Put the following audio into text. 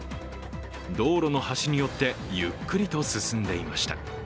道路の端に寄って、ゆっくりと進んでいました。